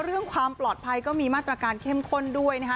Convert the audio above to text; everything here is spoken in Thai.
เรื่องความปลอดภัยก็มีมาตรการเข้มข้นด้วยนะคะ